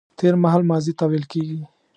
تېرمهال ماضي ته ويل کيږي